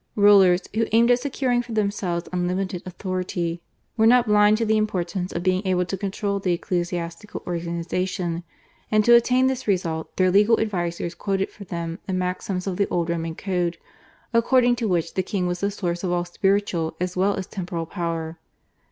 Rulers, who aimed at securing for themselves unlimited authority, were not blind to the importance of being able to control the ecclesiastical organisation, and to attain this result their legal advisers quoted for them the maxims of the old Roman Code, according to which the king was the source of all spiritual as well as temporal power.